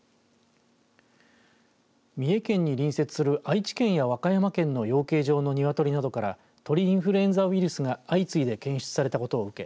三重県に隣接する愛知県や和歌山県の養鶏場の鶏などから鳥インフルエンザウイルスが相次いで検出されたことを受け